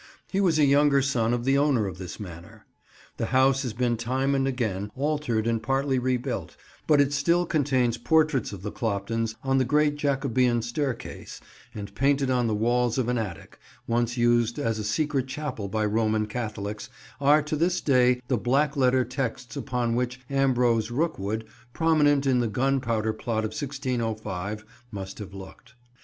He was a younger son of the owner of this manor. The house has been time and again altered and partly rebuilt, but it still contains portraits of the Cloptons on the great Jacobean staircase, and painted on the walls of an attic, once used as a secret chapel by Roman Catholics, are to this day the black letter texts upon which Ambrose Rookwood, prominent in the Gunpowder Plot of 1605, must have looked.